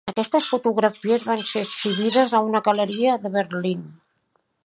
Aquestes fotografies van ser exhibides a una galeria de Berlín.